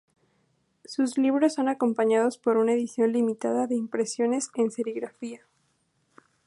Sus libros son acompañados por una edición limitada de impresiones en serigrafía.